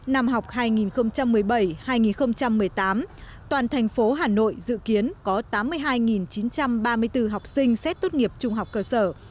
năm học hai nghìn một mươi bảy hai nghìn một mươi tám toàn thành phố hà nội dự kiến có tám mươi hai chín trăm ba mươi bốn học sinh xét tốt nghiệp trung học cơ sở